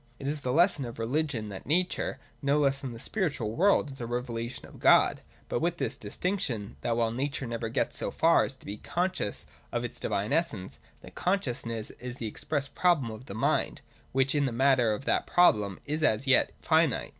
It is the lesson of religion that nature, no less than the spiritual world, is a revelation of God : but with this distinction, that while nature never gets so far as to be conscious of its divine essence, that conscious ness is the express problem of the mind, which in the matter of that problem is as yet finite.